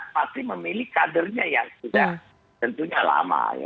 pasti memilih kadernya yang sudah tentunya lama